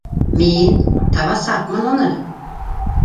Мин... табасаҡмын уны!